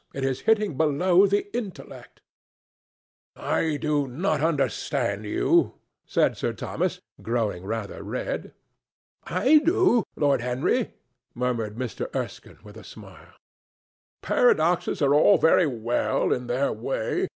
It is hitting below the intellect." "I do not understand you," said Sir Thomas, growing rather red. "I do, Lord Henry," murmured Mr. Erskine, with a smile. "Paradoxes are all very well in their way...."